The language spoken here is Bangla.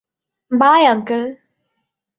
By, uncle!